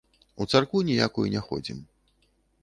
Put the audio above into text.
У царкву ніякую не ходзім.